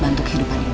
untuk hidup ini